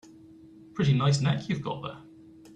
Pretty nice neck you've got there.